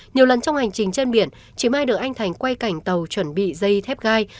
nhiều lần trong hành trình trên biển chị mai được anh thành quay cảnh tàu chuẩn bị dây thép gai